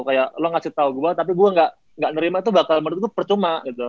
kayak lo ngasih tau gue tapi gue gak nerima tuh bakal menurut gue percuma gitu